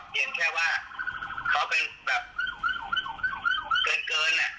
พี่ชมภูกก็ไม่น่าจะเป็นคนมีพิษมีภัยนะเดี๋ยวไปฟังเสียงพี่ชมภูกันจ้า